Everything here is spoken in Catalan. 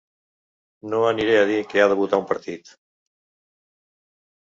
No aniré a dir què ha de votar un partit.